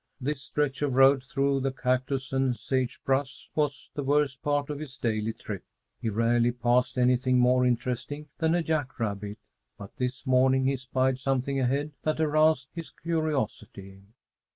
This stretch of road through the cactus and sage brush was the worst part of his daily trip. He rarely passed anything more interesting than a jack rabbit, but this morning he spied something ahead that aroused his curiosity.